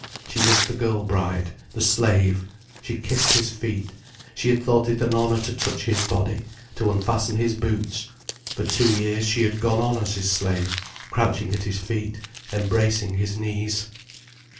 She was the girl bride, the slave, she kissed his feet, she had thought it an honour to touch his body, to unfasten his boots. For two years, she had gone on as his slave, crouching at his feet, embracing his knees.